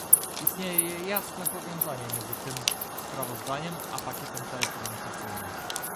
Istnieje jasne powiązanie pomiędzy tym sprawozdaniem a pakietem telekomunikacyjnym